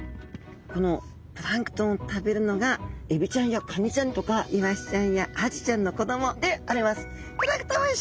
このプランクトンを食べるのがエビちゃんやカニちゃんとかイワシちゃんやアジちゃんの子供であります。